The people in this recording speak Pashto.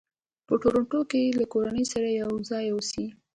په ټورنټو کې له کورنۍ سره یو ځای اوسي.